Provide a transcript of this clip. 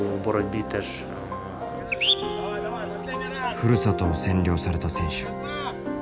ふるさとを占領された選手。